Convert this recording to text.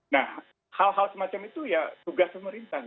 nah hal hal semacam itu ya tugas pemerintah